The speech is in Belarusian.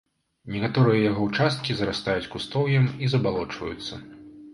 Некаторыя яго ўчасткі зарастаюць кустоўем і забалочваюцца.